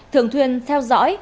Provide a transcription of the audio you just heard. thường thuyên theo dõi